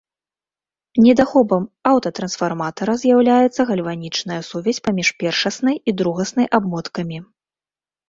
Недахопам аўтатрансфарматара з'яўляецца гальванічная сувязь паміж першаснай і другаснай абмоткамі.